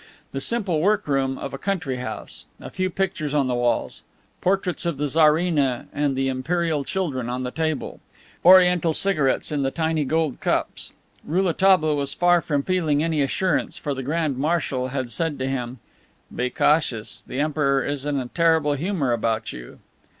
The simple work room of a country house: a few pictures on the walls, portraits of the Tsarina and the imperial children on the table; Oriental cigarettes in the tiny gold cups. Rouletabille was far from feeling any assurance, for the Grand Marshal had said to him: "Be cautious. The Emperor is in a terrible humor about you."